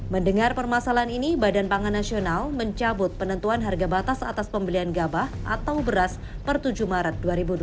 mendengar permasalahan ini badan pangan nasional mencabut penentuan harga batas atas pembelian gabah atau beras per tujuh maret dua ribu dua puluh